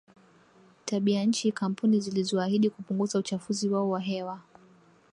tabianchi kampuni zilizoahidi kupunguza uchafuzi wao wa hewa